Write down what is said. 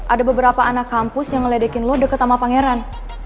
ada beberapa anak kampus yang ngeledekin lo deket sama pangeran